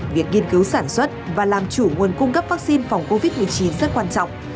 việc nghiên cứu sản xuất và làm chủ nguồn cung cấp vaccine phòng covid một mươi chín rất quan trọng